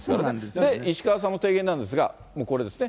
で、石川さんの提言なんですが、もうこれですね。